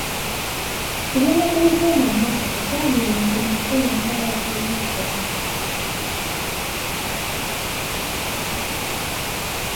Ebyabadde bigenda mu maaso tetwabiwadde makulu nga opozisoni.